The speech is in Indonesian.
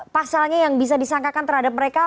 pasalnya yang bisa disangkakan terhadap mereka